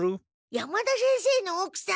山田先生のおくさん